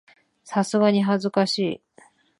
さすがに恥ずかしい